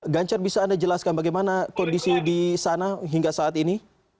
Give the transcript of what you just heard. ganjar bisa anda jelaskan bagaimana kondisi di sana hingga saat ini